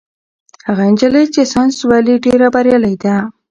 هغه نجلۍ چې ساینس لولي ډېره بریالۍ ده.